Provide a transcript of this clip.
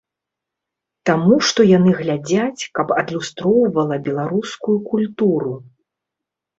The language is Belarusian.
Таму што яны глядзяць, каб адлюстроўвала беларускую культуру.